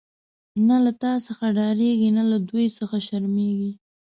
نه له تا څخه ډاريږی، نه له دوی څخه شرميږی